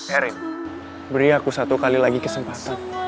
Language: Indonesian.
erin beri aku satu kali lagi kesempatan